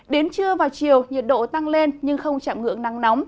đến trưa vào chiều nhiệt độ tăng lên nhưng không chạm ngưỡng nắng nóng